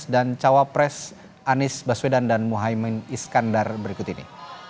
dan cawa pres anies baswedan dan muhaymin iskandar berikut ini